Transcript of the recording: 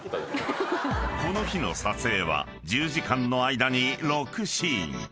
［この日の撮影は１０時間の間に６シーン］